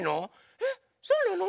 えそうなの？